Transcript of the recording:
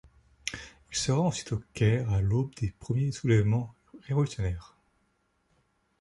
Il se rend ensuite au Caire à l'aube des premiers soulèvements révolutionnaires.